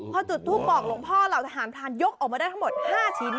พอจุดทูปบอกหลวงพ่อเหล่าทหารพรานยกออกมาได้ทั้งหมด๕ชิ้น